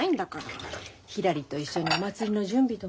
ひらりと一緒にお祭りの準備とかさ。